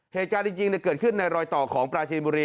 เพจรัสจริงเดี๋ยวเกิดขึ้นในรอยต่อของปราชินบุรี